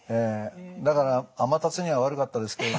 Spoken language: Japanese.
だからアマタツには悪かったですけどね